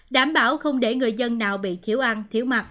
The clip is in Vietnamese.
đảm bảo không để người dân nào bị thiếu ăn thiếu mặt